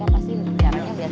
hargai lalatan lingkungan